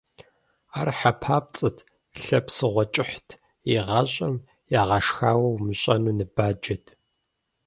Ар хьэ папцӀэт, лъэ псыгъуэ кӀыхьт, игъащӀэм ягъэшхауэ умыщӀэну ныбаджэт.